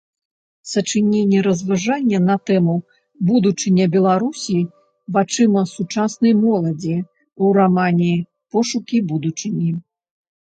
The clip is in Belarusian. Сачыненне-разважанне на тэму „Будучыня Беларусі вачыма сучаснай моладзі” ў рамане Пошукі будучыні